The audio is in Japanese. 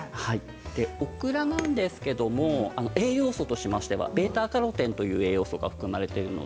オクラなんですけれど栄養素としましてはβ−カロテンという栄養素が含まれています。